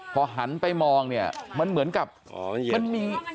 พอหันไปมองเนี่ยมันเหมือนกับอ๋อเหยียดมันมี